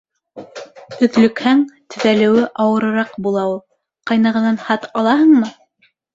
Өҙлөкһәң — төҙәлеүе ауырыраҡ була ул. Ҡайнағанан хат алаһыңмы?